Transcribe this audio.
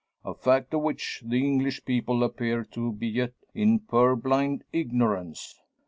A fact of which the English people appear to be yet in purblind ignorance!